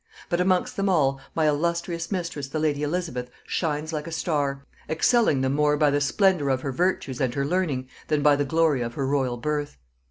But amongst them all, my illustrious mistress the lady Elizabeth shines like a star, excelling them more by the splendor of her virtues and her learning, than by the glory of her royal birth.